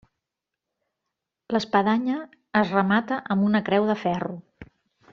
L'espadanya es remata amb una creu de ferro.